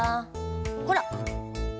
ほら！